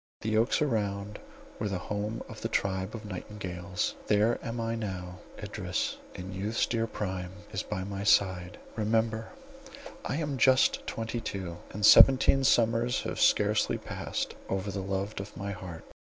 The oaks around were the home of a tribe of nightingales—there am I now; Idris, in youth's dear prime, is by my side —remember, I am just twenty two, and seventeen summers have scarcely passed over the beloved of my heart.